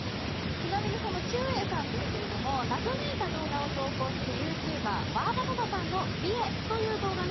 ちなみにちゅうえいさんですけど、謎めいた動画を投稿するＹｏｕＴｕｂｅｒバーバパパさんの「ヴ”ィ”エ”」という動画の